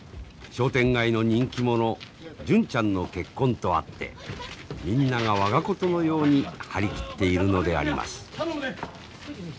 商店街の人気者純ちゃんの結婚とあってみんなが我が事のように張り切っているのであります。